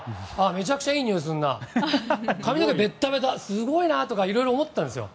めちゃくちゃいいにおいするな髪の毛ベッタベタ、すごいなとかいろいろ思ってたんです。